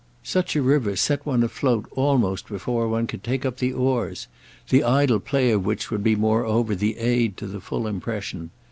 Such a river set one afloat almost before one could take up the oars—the idle play of which would be moreover the aid to the full impression.